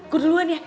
gue duluan ya